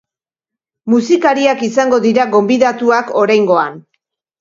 Musikariak izango dira gonbidatuak oraingoan.